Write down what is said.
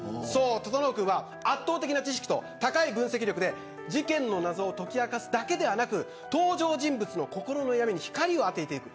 整君は圧倒的な知識と高い分析力で事件の謎を解き明かすだけではなく登場人物の心の闇に光を当てていく。